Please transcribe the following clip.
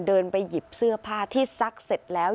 เดินไปหยิบเสื้อผ้าที่ซักเสร็จแล้ว